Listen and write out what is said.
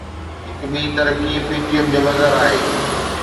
هڪ ٻي ترقي PTM جو مظهر آهي.